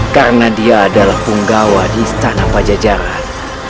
karena dia adalah penggawa di istana pajajaran